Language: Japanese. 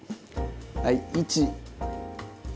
はい１。